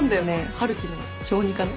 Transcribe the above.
春樹の小児科の。